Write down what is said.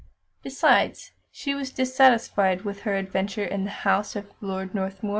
Besides, she was dissatisfied with her adventure in the house of Lord Northmuir.